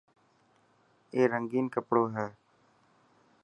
اي رنگين ڪپڙو هي.